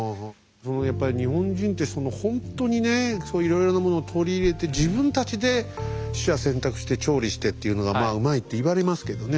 やっぱり日本人ってほんとにねいろいろなものを取り入れて自分たちで取捨選択して調理してっていうのがうまいって言われますけどね。